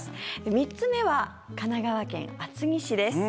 ３つ目は神奈川県厚木市です。